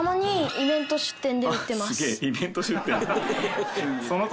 イベント出店で。